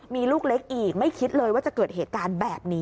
มีลูกเล็กอีกไม่คิดเลยว่าจะเกิดเหตุการณ์แบบนี้